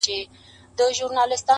o د مرگي راتلو ته؛ بې حده زیار باسه؛